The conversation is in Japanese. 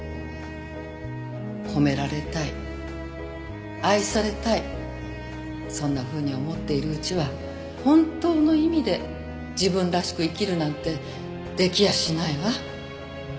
褒められたい愛されたいそんなふうに思っているうちは本当の意味で自分らしく生きるなんて出来やしないわ。